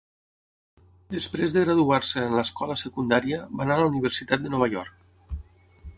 Després de graduar-se en l'escola secundària, va anar a la Universitat de Nova York.